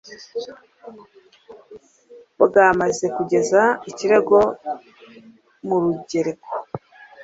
bwamaze kugeza ikirego mu rugereko